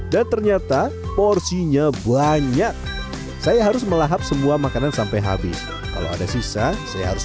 dan ternyata porsinya banyak saya harus melahap semua makanan sampai habis kalau ada sisa saya harus